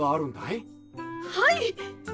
はい！